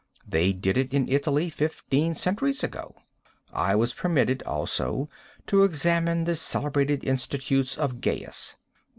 They did it in Italy fifteen centuries ago. I was permitted also to examine the celebrated institutes of Gaius.